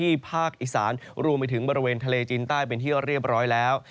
ภาคอีสานรวมไปถึงบริเวณทะเลจีนใต้เป็นที่เรียบร้อยแล้ว